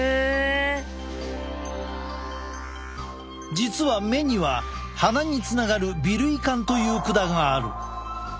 実は目には鼻につながる鼻涙管という管がある。